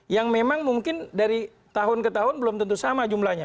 yang memang mungkin dari tahun ke tahun belum tentu sama jumlahnya